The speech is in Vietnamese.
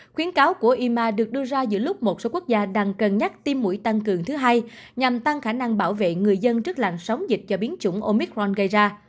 khuyến cáo của yma được đưa ra giữa lúc một số quốc gia đang cân nhắc tim mũi tăng cường thứ hai nhằm tăng khả năng bảo vệ người dân trước làn sóng dịch do biến chủng omicron gây ra